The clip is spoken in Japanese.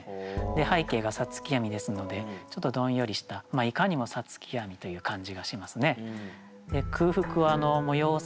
背景が五月闇ですのでちょっとどんよりしたいかにも五月闇という感じがしますね。